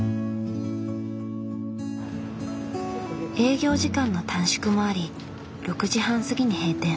営業時間の短縮もあり６時半過ぎに閉店。